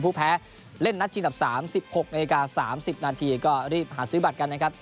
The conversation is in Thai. ผู้แพ้เล่นนัดชิงดับ๓๑๖นาที๓๐นาทีก็รีบหาซื้อบัตรกันนะครับ